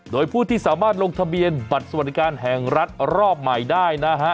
โดยผู้ที่สามารถลงทะเบียนบัตรสวัสดิการแห่งรัฐรอบใหม่ได้นะฮะ